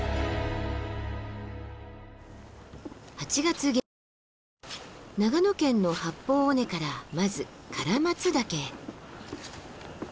８月下旬長野県の八方尾根からまず唐松岳へ。